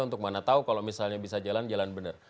untuk mana tahu kalau misalnya bisa jalan jalan benar